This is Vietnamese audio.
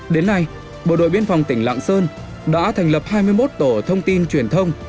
đến nay bộ đội biên phòng tỉnh lạng sơn đã thành lập hai mươi một tổ thông tin truyền thông